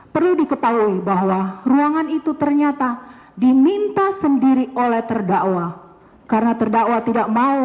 perlu diketahui bahwa ruangan itu ternyata diminta sendiri oleh terdakwa karena terdakwa tidak mau